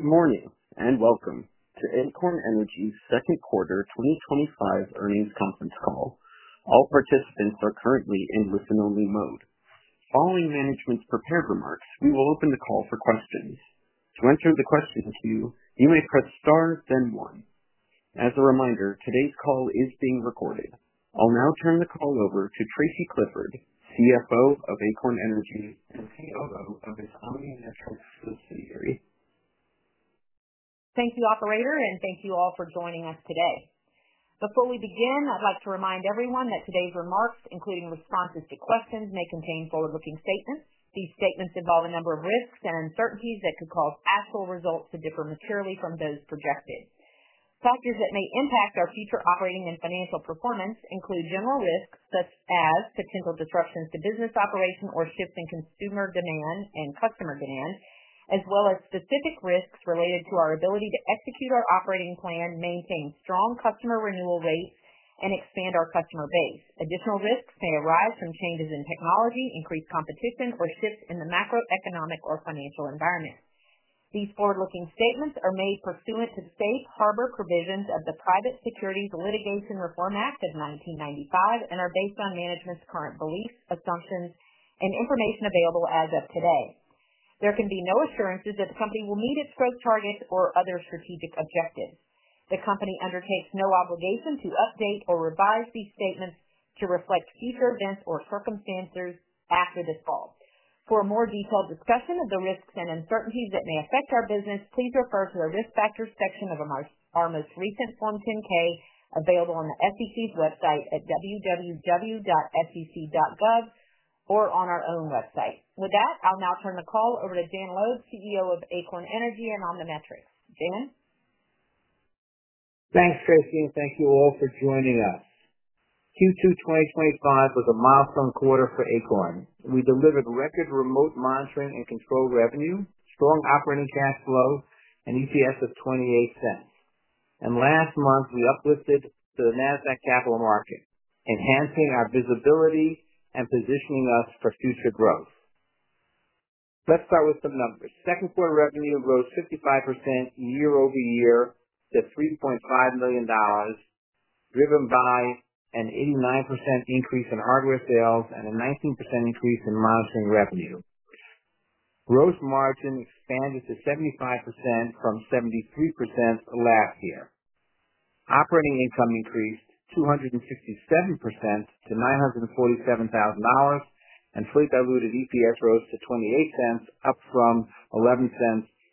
Good morning and welcome to Acorn Energy's Second Quarter 2025 Earnings Conference Call. All participants are currently in listen-only mode. Following management's prepared remarks, we will open the call for questions. To enter the question queue, you may press star, then one. As a reminder, today's call is being recorded. I'll now turn the call over to Tracy Clifford, CFO of Acorn Energy, and COO of Acorn Energy. Thank you, operator, and thank you all for joining us today. Before we begin, I'd like to remind everyone that today's remarks, including responses to questions, may contain forward-looking statements. These statements involve a number of risks and uncertainties that could cause actual results to differ materially from those projected. Factors that may impact our future operating and financial performance include general risks such as potential disruptions to business operations or shifts in consumer demand and customer demand, as well as specific risks related to our ability to execute our operating plan, maintain strong customer renewal rates, and expand our customer base. Additional risks may arise from changes in technology, increased competition, or shifts in the macroeconomic or financial environment. These forward-looking statements are made pursuant to the Safe Harbor Provisions of the Private Securities Litigation Reform Act of 1995 and are based on management's current beliefs, assumptions, and information available as of today. There can be no assurances that the company will meet its growth targets or other strategic objectives. The company undertakes no obligation to update or revise these statements to reflect future events or circumstances after this call. For a more detailed discussion of the risks and uncertainties that may affect our business, please refer to the risk factors section of our most recent Form 10-K available on the SEC's website at www.sec.gov or on our own website. With that, I'll now turn the call over to Jan Loeb, CEO of Acorn Energy and OmniMetrix. Jan. Thanks, Tracy, and thank you all for joining us. Q2 2025 was a milestone quarter for Acorn. We delivered record remote monitoring and control revenue, strong operating cash flow, and EPS of $0.28. Last month, we uplifted to the NASDAQ Capital Market, enhancing our visibility and positioning us for future growth. Let's start with some numbers. Second quarter revenue rose 55% year-over-year to $3.5 million, driven by an 89% increase in hardware sales and a 19% increase in monitoring revenue. Gross margin expanded to 75% from 73% last year. Operating income increased 267% to $947,000, and fully diluted EPS rose to $0.28, up from $0.11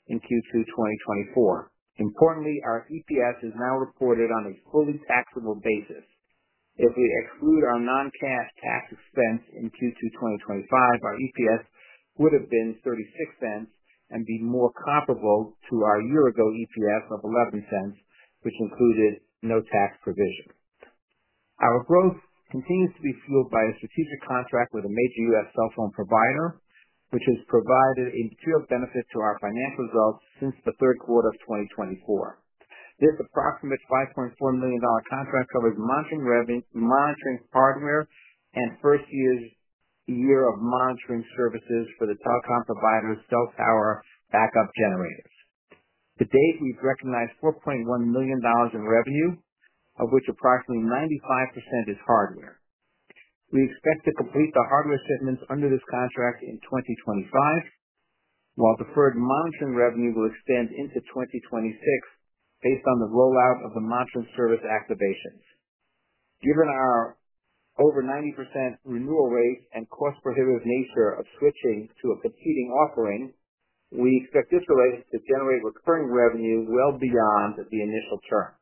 in Q2 2024. Importantly, our EPS is now reported on a fully taxable basis. If we exclude our non-cash tax expense in Q2 2025, our EPS would have been $0.36 and be more comparable to our year-ago EPS of $0.11, which included no tax provision. Our growth continues to be fueled by a strategic contract with a major U.S. cell phone provider, which has provided a material benefit to our financial results since the third quarter of 2024. This approximates a $5.4 million contract covering monitoring hardware and first year's year of monitoring services for the telecom provider's cell tower backup generators. To date, we've recognized $4.1 million in revenue, of which approximately 95% is hardware. We expect to complete the hardware segments under this contract in 2025, while deferred monitoring revenue will extend into 2026 based on the rollout of the monitoring service activations. Given our over 90% renewal rates and cost-prohibitive nature of switching to a competing offering, we expect this delay to generate recurring revenue well beyond the initial term.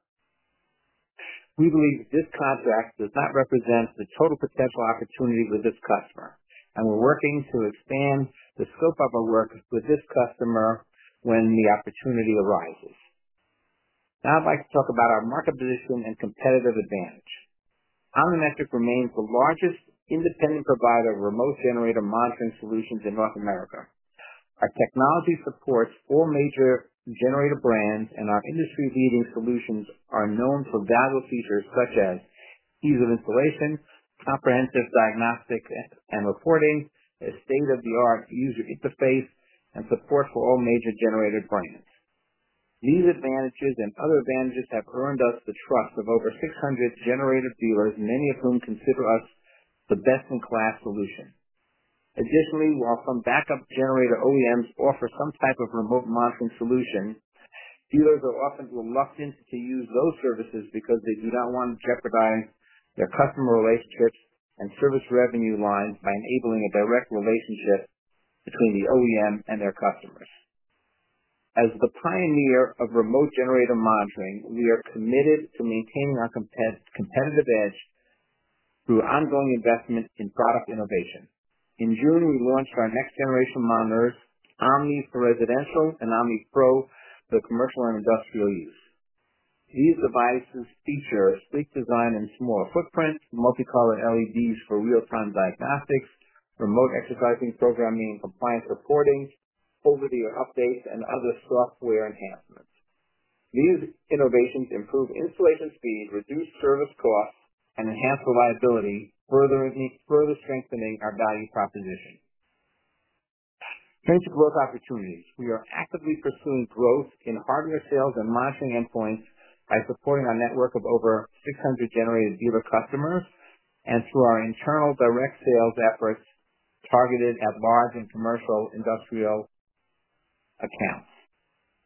We believe this contract does not represent the total potential opportunity with this customer, and we're working to expand the scope of our work with this customer when the opportunity arises. Now I'd like to talk about our market position and competitive advantage. OmniMetrix remains the largest independent provider of remote generator monitoring solutions in North America. Our technology supports all major generator brands, and our industry-leading solutions are known for valuable features such as ease of installation, comprehensive diagnostics and reporting, a state-of-the-art user interface, and support for all major generator brands. These advantages and other advantages have earned us the trust of over 600 generator dealers, many of whom consider us the best-in-class solution. Additionally, while some backup generator OEMs offer some type of remote monitoring solution, dealers are often reluctant to use those services because they do not want to jeopardize their customer relationships and service revenue lines by enabling a direct relationship between the OEM and their customers. As the pioneer of remote generator monitoring, we are committed to maintaining our competitive edge through ongoing investment in product innovation. In June, we launched our next generation monitors, Omni for residential and OmniPro for commercial and industrial use. These devices feature a sleek design and small footprint, multicolor LEDs for real-time diagnostics, remote exercising programming, compliance reporting, over-the-air updates, and other software enhancements. These innovations improve installation speed, reduce service costs, and enhance reliability, further strengthening our value proposition. Transit growth opportunities. We are actively pursuing growth in hardware sales and monitoring endpoints by supporting our network of over 600 generator dealer customers and through our internal direct sales efforts targeted at large and commercial industrial accounts.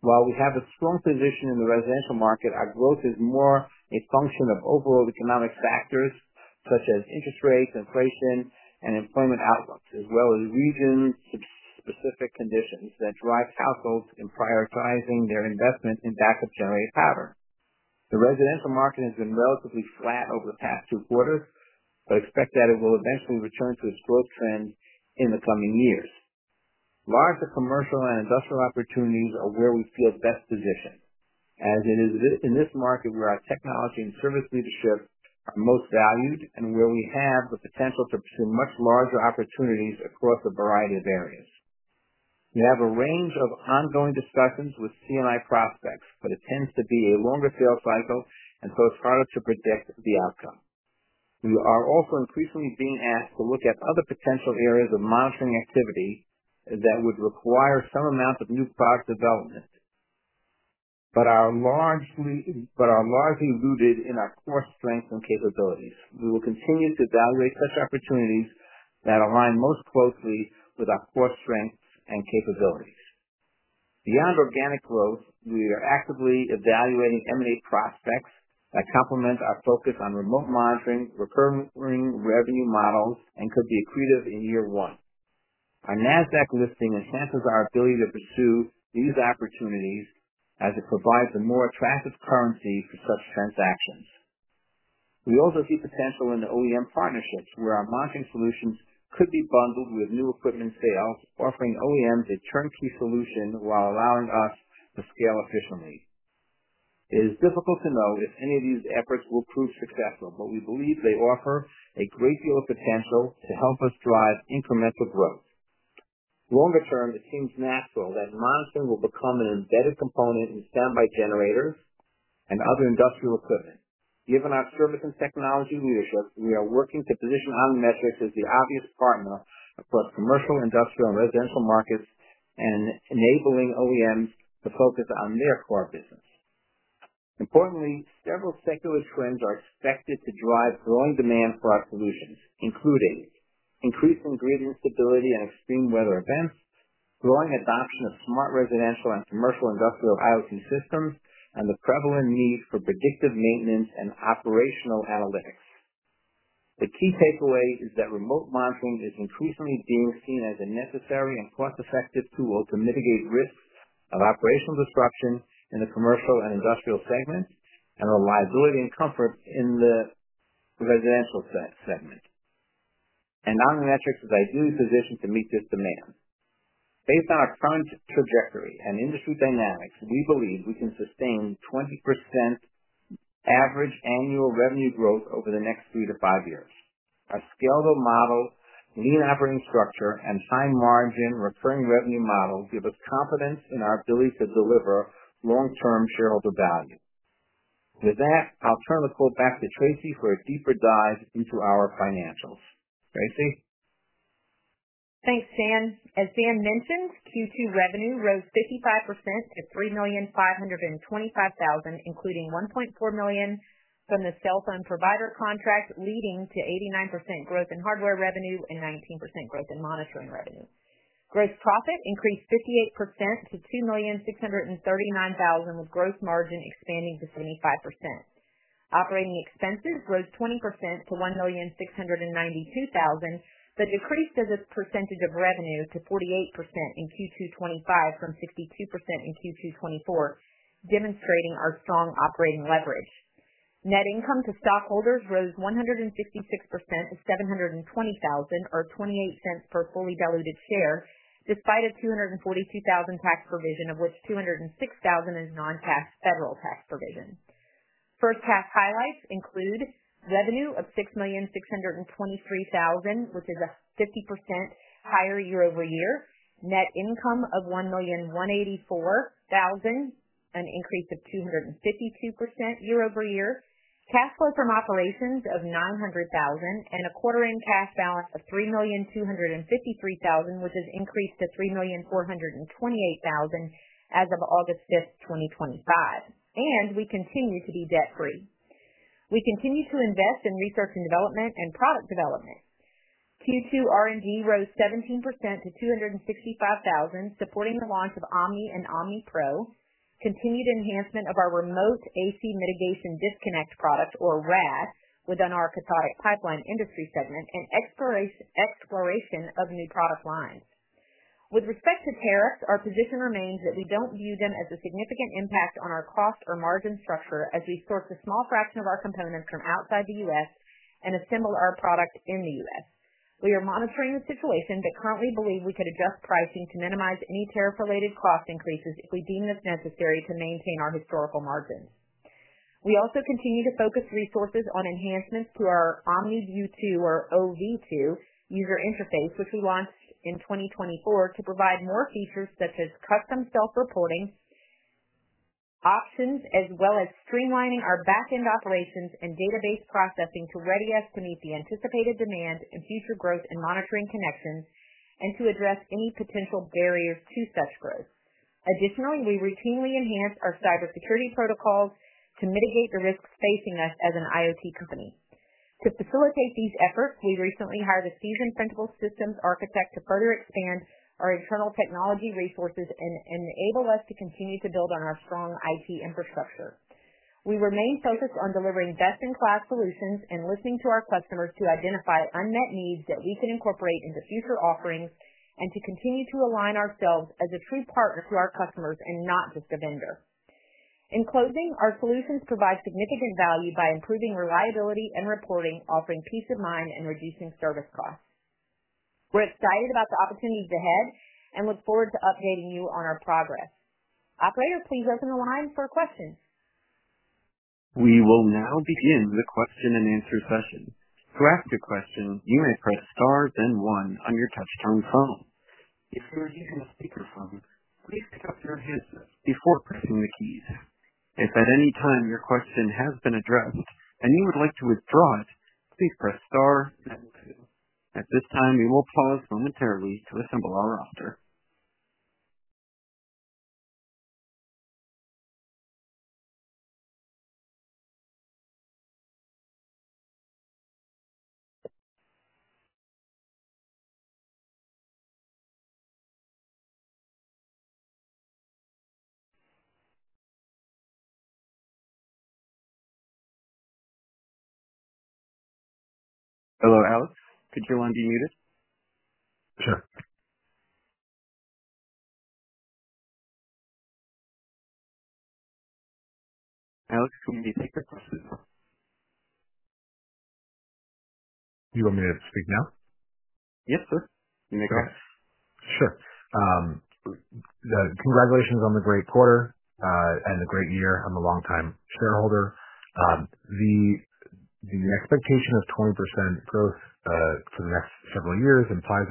While we have a strong position in the residential market, our growth is more a function of overall economic factors such as interest rates, inflation, and employment outlooks, as well as region-specific conditions that drive households in prioritizing their investment in backup generator power. The residential market has been relatively flat over the past two quarters, but expect that it will eventually return to its growth trend in the coming years. Larger commercial and industrial opportunities are where we feel best positioned, as it is in this market where our technology and service leadership are most valued and where we have the potential to pursue much larger opportunities across a variety of areas. We have a range of ongoing discussions with CI prospects, but it tends to be a longer sales cycle and postpone to predict the outcome. We are also increasingly being asked to look at other potential areas of monitoring activity that would require some amount of new product development, but are largely rooted in our core strengths and capabilities. We will continue to evaluate such opportunities that align most closely with our core strengths and capabilities. Beyond organic growth, we are actively evaluating M&A prospects that complement our focus on remote monitoring, recurring revenue models, and could be accretive in year one. Our NASDAQ listing enhances our ability to pursue these opportunities as it provides a more attractive currency to such transactions. We also see potential in the OEM partnerships where our monitoring solutions could be bundled with new equipment sales, offering OEMs a turnkey solution while allowing us to scale efficiently. It is difficult to know if any of these efforts will prove successful, but we believe they offer a great deal of potential to help us drive incremental growth. Longer term, it seems natural that monitoring will become an embedded component in standby generators and other industrial equipment. Given our service and technology leadership, we are working to position OmniMetrix as the obvious partner for the commercial, industrial, and residential markets and enabling OEMs to focus on their core business. Importantly, several secular trends are expected to drive growing demand for our solutions, including increasing grid instability and extreme weather events, growing adoption of smart residential and commercial industrial IoT systems, and the prevalent need for predictive maintenance and operational analytics. The key takeaway is that remote monitoring is increasingly being seen as a necessary and cost-effective tool to mitigate risks of operational disruption in the commercial and industrial segments and reliability and comfort in the residential segment. OmniMetrix is ideally positioned to meet this demand. Based on our current trajectory and industry dynamics, we believe we can sustain 20% average annual revenue growth over the next three to five years. Our scalable model, lean operating structure, and high margin recurring revenue model give us confidence in our ability to deliver long-term shareholder value. With that, I'll turn the call back to Tracy for a deeper dive into our financials. Tracy. Thanks, Jan. As Jan mentioned, Q2 revenue rose 55% to $3,525,000, including $1.4 million from the cell phone provider contract, leading to 89% growth in hardware revenue and 19% growth in monitoring revenue. Gross profit increased 58% to $2,639,000, with gross margin expanding to 75%. Operating expenses rose 20% to $1,692,000, but increased as a percentage of revenue to 48% in Q2 2025 from 62% in Q2 2024, demonstrating our strong operating leverage. Net income to stockholders rose 156% to $720,000 or $0.28 per fully diluted share, despite a $242,000 tax provision, of which $206,000 is non-tax, federal tax provision. First half highlights include revenue of $6,623,000, which is 50% higher year-over-year, net income of $1,184,000, an increase of 252% year-over-year, cash flow from operations of $900,000, and a quarter-end cash balance of $3,253,000, which has increased to $3,428,000 as of August 5, 2025. We continue to be debt-free. We continue to invest in research and development and product development. Q2 R&D rose 17% to $265,000, supporting the launch of Omni and OmniPro, continued enhancement of our remote AC mitigation disconnect products, or RAD, within our cathodic pipeline industry segment, and exploration of new product lines. With respect to tariffs, our position remains that we don't view them as a significant impact on our cost or margin structure as we source a small fraction of our components from outside the U.S. and assemble our product in the U.S. We are monitoring the situation, but currently believe we could adjust pricing to minimize any tariff-related cost increases if we deem this necessary to maintain our historical margins. We also continue to focus resources on enhancements to our OmniView 2, or OV2, user interface, which we launched in 2024 to provide more features such as custom self-reporting options, as well as streamlining our backend operations and database processing to ready us to meet the anticipated demand and future growth in monitoring connections and to address any potential barriers to self-growth. Additionally, we routinely enhance our cybersecurity protocols to mitigate the risks facing us as an IoT company. To facilitate these efforts, we recently hired a seasoned principal systems architect to further expand our internal technology resources and enable us to continue to build on our strong IT infrastructure. We remain focused on delivering best-in-class solutions and listening to our customers to identify unmet needs that we can incorporate into future offerings and to continue to align ourselves as a true partner to our customers and not just a vendor. In closing, our solutions provide significant value by improving reliability and reporting, offering peace of mind and reducing service costs. We're excited about the opportunities ahead and look forward to updating you on our progress. Operator, please open the line for questions. We will now begin the question-and-answer session. To ask a question, you may press star, then one on your touch-tone phone. If you are on a speaker phone, please take your answers before pressing the keys. If at any time your question has been addressed and you would like to withdraw it, please press star, then two. At this time, we will pause momentarily to assemble our room. Hello, Alex. Could you unmute it? Sure. Alex, you can take your question now. You want me to speak now? Yes, sir. You may go ahead. Sure. Congratulations on the great quarter, and the great year. I'm a long-time shareholder. The expectation is 20% growth for the next several years, implies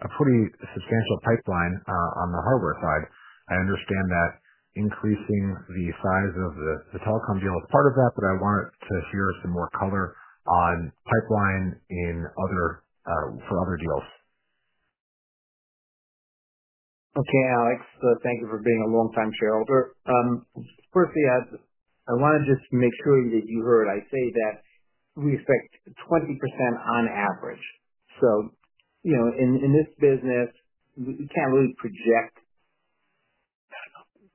a pretty substantial pipeline on the hardware side. I understand that increasing the size of the telecom deal is part of that, but I want to hear some more color on pipeline in other, for other deals. Okay, Alex. Thank you for being a long-time shareholder. Firstly, I want to just make sure that you heard I say that we expect 20% on average. In this business, we can't really project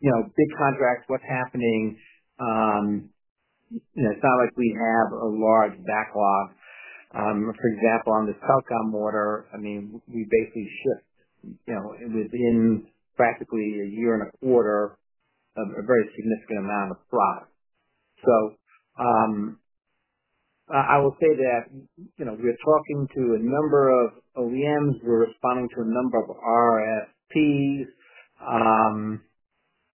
big contracts, what's happening. It's not like we have a large backlog. For example, on this telecom order, we basically shipped within practically a year and a quarter a very significant amount of product. I will say that we are talking to a number of OEMs. We're responding to a number of RFPs, and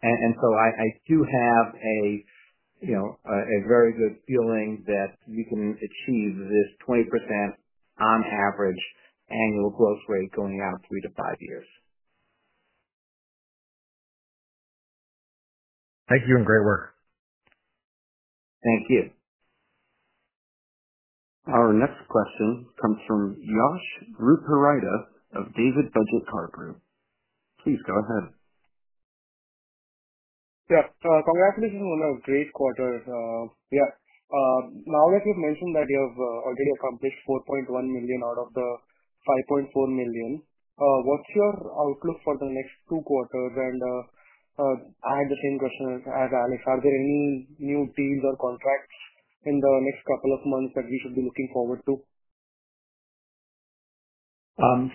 I do have a very good feeling that we can achieve this 20% on average annual growth rate going out three to five years. Thank you and great work. Thank you. Our next question comes from Yash Ruperida of David Budget Car Group.. Please go ahead. Yes. Congratulations on a great quarter. Now that you've mentioned that you have already accomplished $4.1 million out of the $5.4 million, what's your outlook for the next two quarters? I have the same question as Alex. Are there any new deals or contracts in the next couple of months that we should be looking forward to? I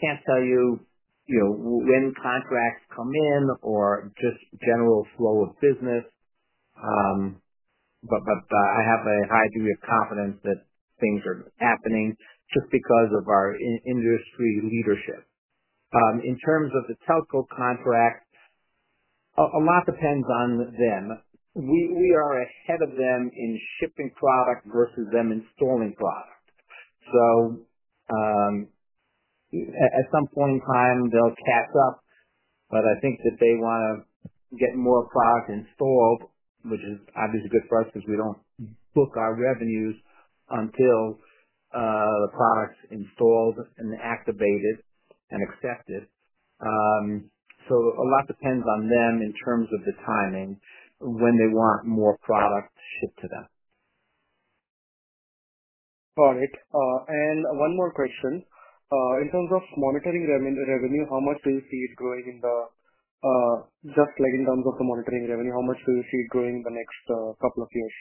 can't tell you, you know, when contracts come in or just general flow of business. I have a high degree of confidence that things are happening just because of our industry leadership. In terms of the telco contracts, a lot depends on them. We are ahead of them in shipping product versus them installing product. At some point in time, they'll catch up. I think that they want to get more product installed, which is obviously good for us because we don't book our revenues until the product's installed and activated and accepted. A lot depends on them in terms of the timing when they want more product shipped to them. Got it. One more question. In terms of monitoring revenue, how much do you see it growing, just like in terms of the monitoring revenue, how much do you see it growing in the next couple of years?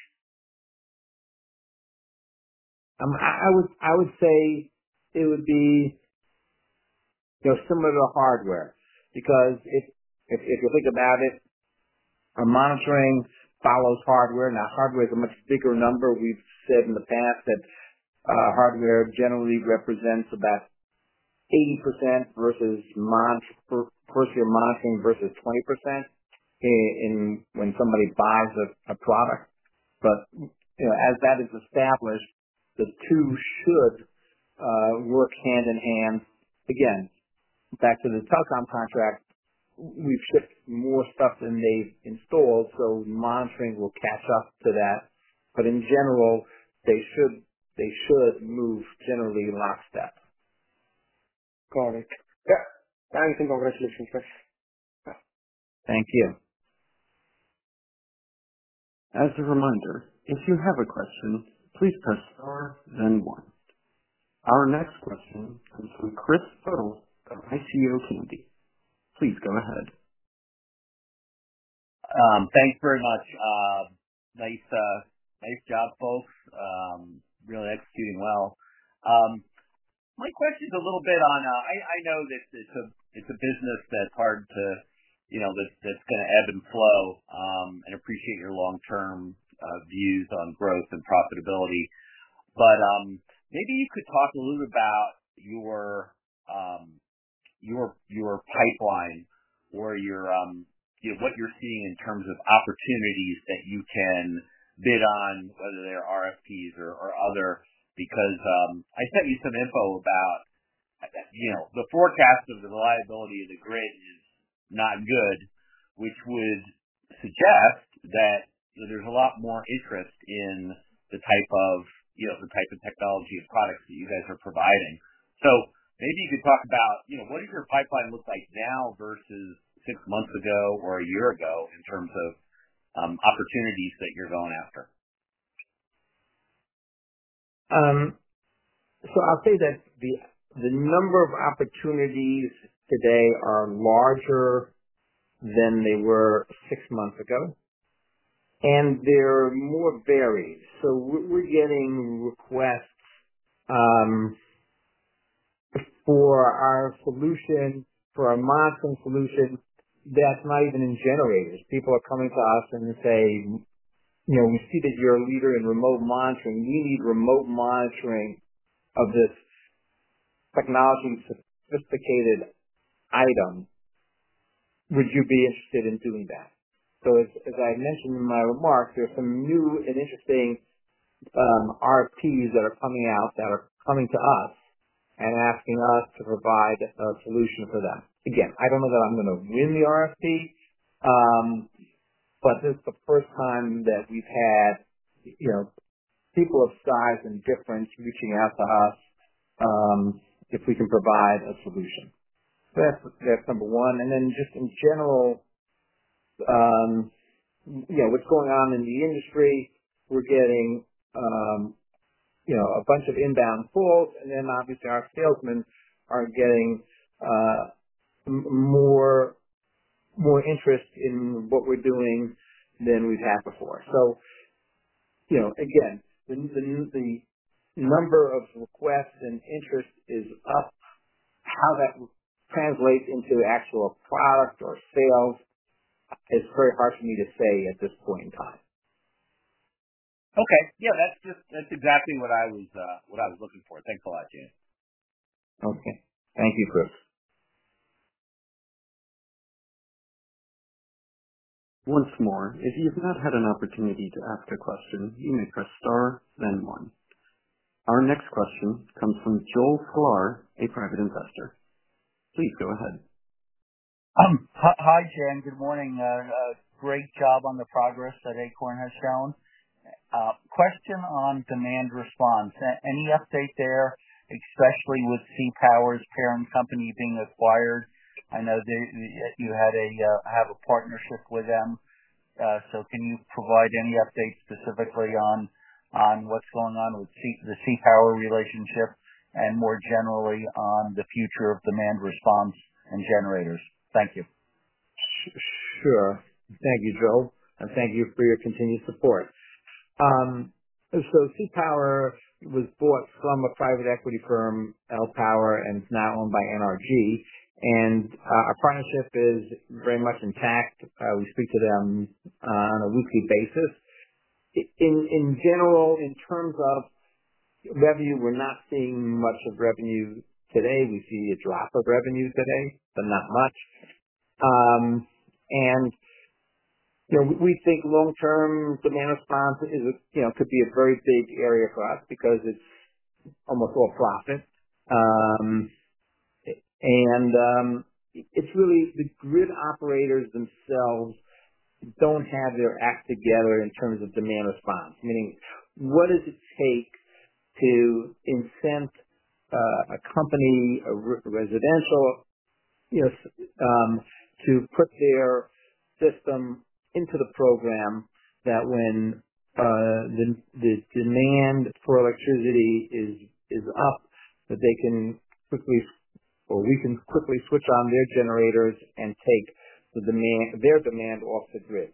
I would say it would be similar to hardware because if we think about it, our monitoring follows hardware. Now, hardware is a much bigger number. We've said in the past that hardware generally represents about 80% versus monitoring versus 20% when somebody buys a product. As that is established, the two should work hand in hand. Again, back to the telecom contract, we've shipped more stuff than they've installed, so monitoring will catch up to that. In general, they should move generally lockstep. Got it. Thanks and congratulations, sir. Thank you. As a reminder, if you have a question, please press star, then one. Our next question comes from Kris Tuttle of IPO Candy. Please go ahead. Thanks very much. Nice job, folks. Really executing well. My question is a little bit on, I know this is a business that's hard to, you know, that's going to ebb and flow, and I appreciate your long-term views on growth and profitability. Maybe you could talk a little bit about your pipeline or what you're seeing in terms of opportunities that you can bid on, whether they're RFPs or other, because I sent you some info about the forecast of the reliability of the grid is not good, which would suggest that there's a lot more interest in the type of technology or products that you guys are providing. Maybe you could talk about what does your pipeline look like now versus six months ago or a year ago in terms of opportunities that you're going after? I'll say that the number of opportunities today are larger than they were six months ago, and they're more varied. We're getting requests for our solution, for our monitoring solution that's not even in generators. People are coming to us and saying, "You know, we see that you're a leader in remote monitoring. You need remote monitoring of this technology-sophisticated item. Would you be interested in doing that?" As I mentioned in my remarks, there are some new and interesting RFPs that are coming out that are coming to us and asking us to provide a solution for them. I don't know that I'm going to win the RFP, but this is the first time that we've had people of size and difference reaching out to us, if we can provide a solution. That's number one. In general, with what's going on in the industry, we're getting a bunch of inbound calls, and obviously our salesmen are getting more interest in what we're doing than we've had before. The number of requests and interest is up. How that translates into actual product or sales is very hard for me to say at this point in time. Okay. Yeah, that's exactly what I was looking for. Thanks a lot, Jan. Okay. Thank you, Kris. Once more, if you've not had an opportunity to ask your question, you may press star, then one. Our next question comes from Joel Sklar, a private investor. Please go ahead. Hi, Jan. Good morning. Great job on the progress that Acorn Energy has shown. Question on demand response. Any update there, especially with CPower's parent company being acquired? I know that you had a, have a partnership with them. Can you provide any updates specifically on what's going on with the CPower relationship and more generally on the future of demand response in generators? Thank you. Sure. Thank you, Joel. Thank you for your continued support. CPower was bought from a private equity firm, L-Power, and is now owned by NRG Energy. Our partnership is very much intact. We speak to them on a weekly basis. In general, in terms of revenue, we're not seeing much revenue today. We see a drop of revenue today, but not much. You know, we think long-term demand response is, you know, could be a very big area for us because it's almost all profit. It's really the grid operators themselves don't have their act together in terms of demand response, meaning what does it take to incent a company, a residential, you know, to put their system into the program that when the demand for electricity is up, that they can quickly, or we can quickly switch on their generators and take their demand off the grid.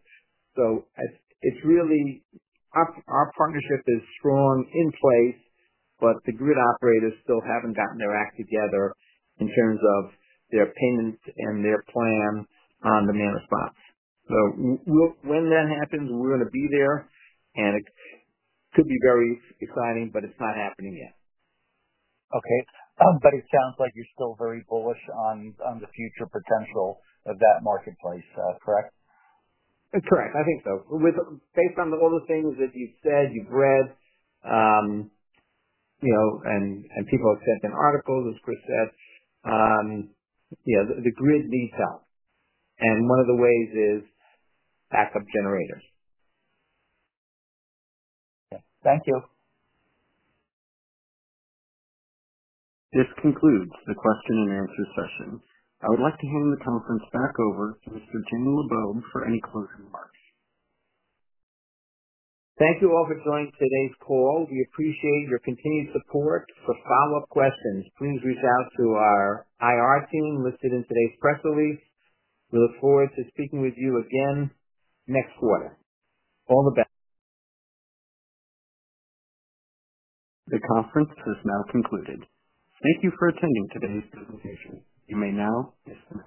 Our partnership is strong in place, but the grid operators still haven't gotten their act together in terms of their payments and their plan on demand response. When that happens, we're going to be there, and it could be very exciting, but it's not happening yet. Okay. It sounds like you're still very bullish on the future potential of that marketplace. Correct? That's correct. I think so. Based on all the things that you've said, you've read, you know, and people have sent in articles, as Kris said, you know, the grid needs help. One of the ways is backup generators. Thank you. This concludes the question and answer session. I would like to hand the conference back over to Mr. Loeb for any closing remarks. Thank you all for joining today's call. We appreciate your continued support. For follow-up questions, please reach out to our IR team listed in today's press release. We look forward to speaking with you again next quarter. All the best. The conference has now concluded. Thank you for attending today's presentation. You may now discuss.